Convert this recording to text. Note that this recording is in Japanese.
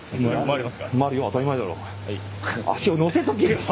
足をのせとけよ。